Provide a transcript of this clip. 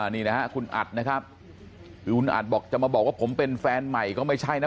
นี่นะฮะคุณอัดนะครับคือคุณอัดบอกจะมาบอกว่าผมเป็นแฟนใหม่ก็ไม่ใช่นะ